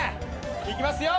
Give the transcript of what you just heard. いきますよ。